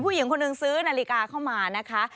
ผู้หญิงคนหนึ่งซื้อนาฬิกาเข้ามานะคะ